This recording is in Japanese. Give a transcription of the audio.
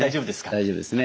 大丈夫ですね。